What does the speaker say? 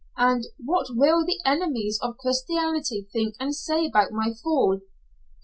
and "What will the enemies of Christianity think and say about my fall?"